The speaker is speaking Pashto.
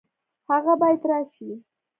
هغه باید راشي